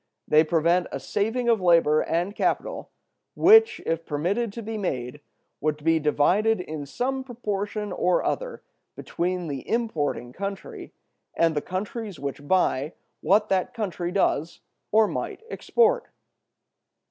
They prevent a saving of labor and capital, which, if permitted to be made, would be divided in some proportion or other between the importing country and the countries which buy what that country does or might export.